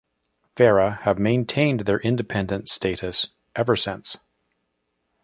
Farrah have maintained their independent status ever since.